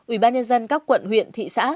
ubnd các quận huyện thị xã